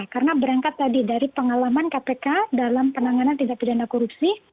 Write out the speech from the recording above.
karena berangkat tadi dari pengalaman kpk dalam penanganan tiga pidana korupsi